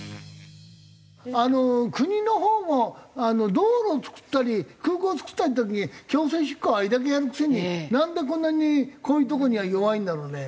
あの国のほうも道路を造ったり空港を造ったりって時に強制執行をあれだけやるくせになんでこんなにこういうとこには弱いんだろうね？